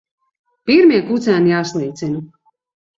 Pirmie kucēni jāslīcina.